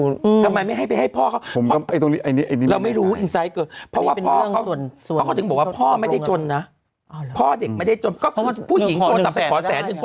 พ่อเด็กไม่ได้จนก็คือผู้หญิงส่วนสับสนขับขาบแสนนึง